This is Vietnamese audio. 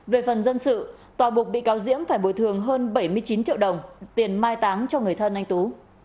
về phần dân sự tòa buộc bị cáo diễm phải bồi thường hơn bảy mươi chín triệu đồng tiền mai táng cho người thân anh tú